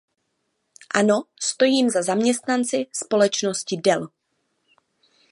Ano, stojím za zaměstnanci společnosti Dell!